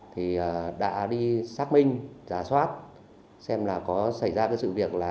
thì đã đi xác minh giả soát xem là có xảy ra cái sự việc là